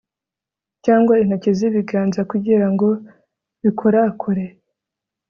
cyangwa intoki z'ibiganza kugira ngo bikorakore